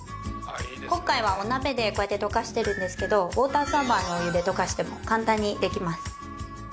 今回はお鍋でこうやって溶かしてるんですけどウォーターサーバーのお湯で溶かしても簡単にできます。